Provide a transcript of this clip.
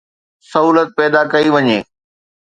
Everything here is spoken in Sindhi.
سهولت پيدا ڪئي وڃي.